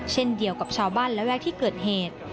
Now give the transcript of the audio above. เช่นเดียวกับชาวบ้านระแวกที่เกิดเหตุ